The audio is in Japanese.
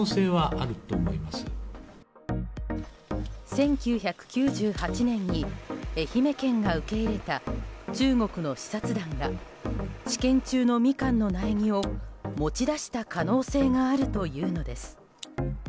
１９９８年に、愛媛県が受け入れた中国の視察団が試験中のミカンの苗木を持ち出した可能性があるというのです。